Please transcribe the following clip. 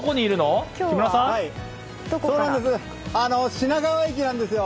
品川駅なんですよ。